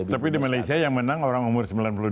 tapi di malaysia yang menang orang umur sembilan puluh dua